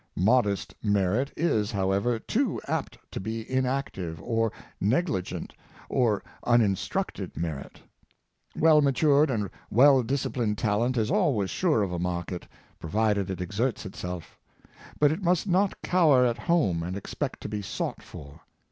Modest merit is, however, too apt to be inactive, or negligent, or uninstructed merit. Well matured and well disciplined talent is always sure of a market, provided it exerts itself; but it must not cower at home and expect to be sought for.